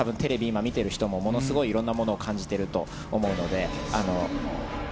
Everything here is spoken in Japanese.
今、見てる人もものすごいいろんなものを感じてると思うので。